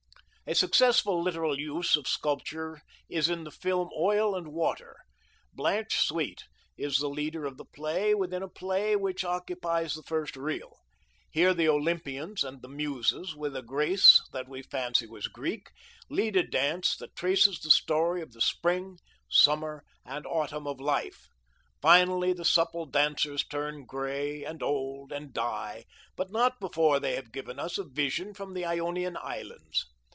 A successful literal use of sculpture is in the film Oil and Water. Blanche Sweet is the leader of the play within a play which occupies the first reel. Here the Olympians and the Muses, with a grace that we fancy was Greek, lead a dance that traces the story of the spring, summer, and autumn of life. Finally the supple dancers turn gray and old and die, but not before they have given us a vision from the Ionian islands.